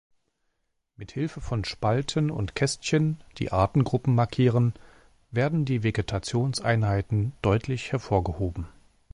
Mit Hilfe von Spalten und Kästchen, die Artengruppen markieren, werden die Vegetationseinheiten deutlich hervorgehoben.